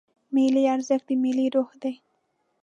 ملي ارزښت د ملت روح دی.